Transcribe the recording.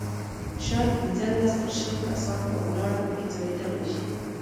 شاید پنځلس تر شل کسان په ولاړه په کې ځایېدلای شي.